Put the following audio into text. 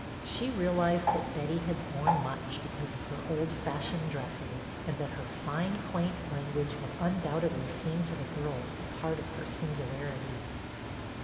She realized that Betty had borne much because of her old fashioned dresses, and that her fine quaint language had undoubtedly seemed to the girls a part of her singularity.